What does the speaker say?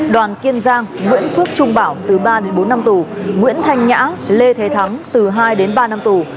đoàn kiên giang nguyễn phước trung bảo từ ba đến bốn năm tù nguyễn thanh nhã lê thế thắng từ hai đến ba năm tù